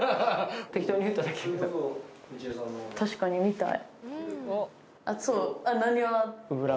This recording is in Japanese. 確かに見たい。